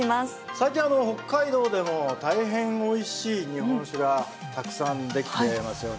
最近北海道でも大変おいしい日本酒がたくさん出来てますよね。